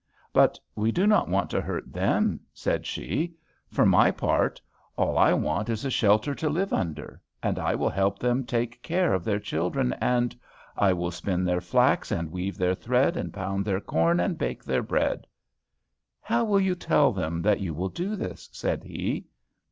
"But we do not want to hurt them," said she. "For my part, all I want is a shelter to live under; and I will help them take care of their children, and 'I will spin their flax, And weave their thread, And pound their corn, And bake their bread.'" "How will you tell them that you will do this?" said he.